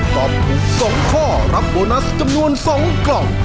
ตอบถูก๒ข้อรับโบนัสจำนวน๒กล่อง